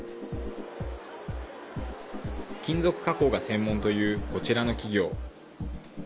金属加工が専門というこちらの企業。